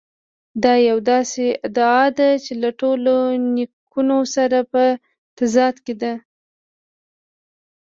دا یوه داسې ادعا ده چې له ټولو لیکونو سره په تضاد کې ده.